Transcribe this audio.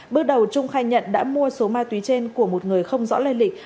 bước đầu trung khai nhận đã mua số ma túy trên của một người không rõ lây lịch